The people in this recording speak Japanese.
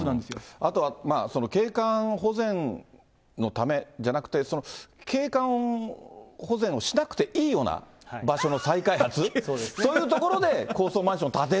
あとは、景観保全のためじゃなくて、その景観保全をしなくていいような場所の再開発、そういう所で、以外ですね。